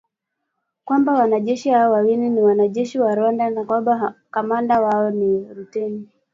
kwamba wanajeshi hao wawili ni wanajeshi wa Rwanda na kwamba kamanda wao ni Luteni